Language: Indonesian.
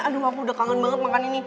aduh aku udah kangen banget makan ini